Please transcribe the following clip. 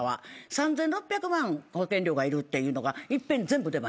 ３，６００万保険料がいるというのがいっぺんに全部出ました。